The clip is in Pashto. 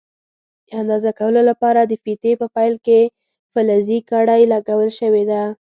د اندازه کولو لپاره د فیتې په پیل کې فلزي کړۍ لګول شوې ده.